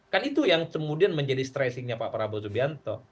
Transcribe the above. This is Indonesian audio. kan itu yang kemudian menjadi stressingnya pak prabowo subianto